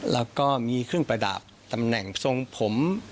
แล้วก็มีเครื่องประดับตำแหน่งทรงผม